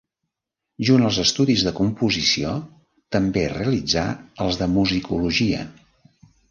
Junt els estudis de composició també realitzà els de musicologia.